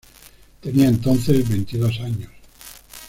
Tenía entonces veintidós años.